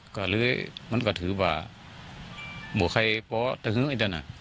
ก็เลยมันก็ถือว่าไม่ว่าใครพอเตรียมอย่างเงี้ยน่ะ